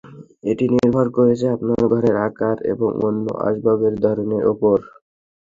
এটি নির্ভর করছে আপনার ঘরের আকার এবং অন্য আসবাবের ধরনের ওপর।